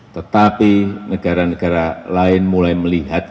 tetapi negara negara lain mulai melihat